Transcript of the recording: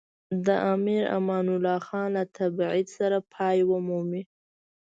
د امیر امان الله له تبعید سره پای مومي.